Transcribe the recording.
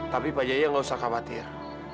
tapi pak jaya nggak usah khawatir